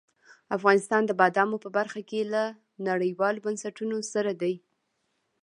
افغانستان د بادامو په برخه کې له نړیوالو بنسټونو سره دی.